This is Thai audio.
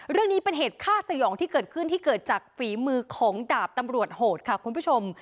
เรื่องนี้เป็นเหตุฆ่าสยองที่เกิดขึ้นที่เกิดจากฝีมือของดาบตำรวจโหดค่ะคุณผู้ชม